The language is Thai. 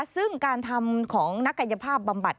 ซึ่งการทำของนักกายภาพบำบัด